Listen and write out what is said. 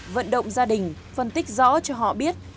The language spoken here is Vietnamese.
vận động gia đình phân tích rõ cho họ biết